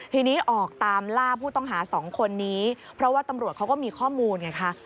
ทีนี้ออกตามล่าผู้ต้องหาสองคนนี้เพราะว่าตำรวจเขาก็มีข้อมูลไงคะ